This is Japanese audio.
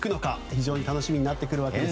非常に楽しみになってくるわけですが。